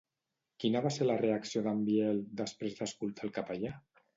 Quina va ser la reacció d'en Biel després d'escoltar el capellà?